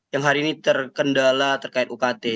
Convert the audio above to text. yang hari ini terkendala terkait ukt